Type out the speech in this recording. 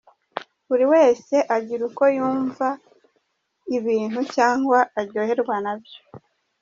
Buri wese agira uko yumva aibintu cyangwa aryoherwa nabyo.